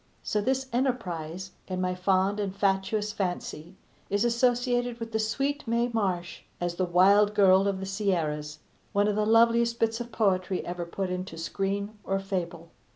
So this enterprise, in my fond and fatuous fancy, is associated with the sweet Mae Marsh as The Wild Girl of the Sierras one of the loveliest bits of poetry ever put into screen or fable.